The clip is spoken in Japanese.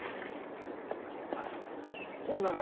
うほんなら。